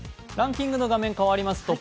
ランキングの画面変わります。